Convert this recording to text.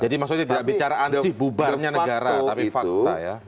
jadi maksudnya tidak bicara ansih bubarnya negara tapi fakta ya